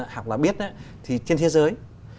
học là biết thì trên thế giới